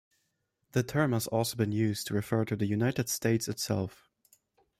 The term has also been used to refer to the United States itself.